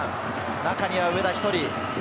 中には上田１人。